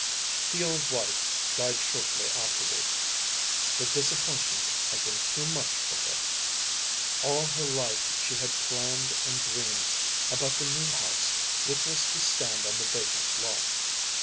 The old wife died shortly afterward; the disappointment had been too much for her. All her life she had planned and dreamed about the new house which was to stand on the vacant lot.